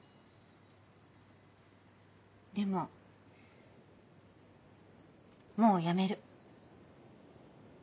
でももうやめる。